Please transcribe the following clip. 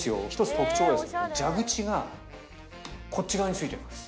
特徴が蛇口がこっち側についてます。